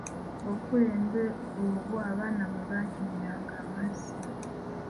Obukulembe obwo abaana mwe baakimiranga amazzi.